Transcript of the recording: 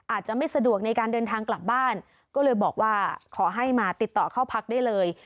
อาจจะไม่สะดวกในการเดินทางกลับบ้านก็เลยบอกว่าขอให้มาติดต่อเข้าพักได้เลย